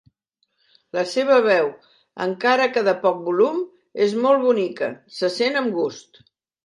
La seva veu, encara que de poc volum, és molt bonica, se sent amb gust.